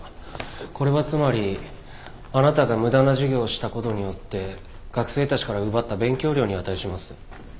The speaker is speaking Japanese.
これはつまりあなたが無駄な授業をしたことによって学生たちから奪った勉強量に値します。